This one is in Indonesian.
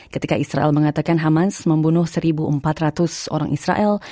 ketika israel mengatakan hamas membunuh satu empat ratus orang israel